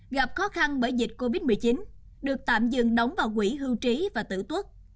gặp khó khăn bởi dịch covid một mươi chín được tạm dừng đóng vào quỹ hưu trí và tử tuất